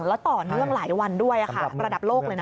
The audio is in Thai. แล้วต่อเนื่องหลายวันด้วยระดับโลกเลยนะ